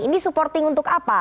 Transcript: ini supporting untuk apa